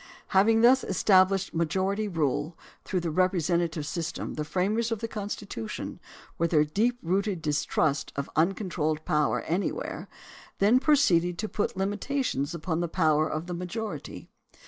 Having thus established majority rule through the representative system, the framers of the Constitu tion with their deep rooted distrust of uncontrolled power anywhere, then proceeded to put limitations upon the power of the majority.